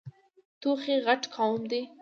توخی غټ قوم ده.